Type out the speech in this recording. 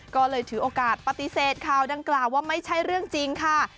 ก็เลยถือโอกาสปฏิเสธข่าวดังกล่าวว่าไม่ใช่เรื่องจริงค่ะ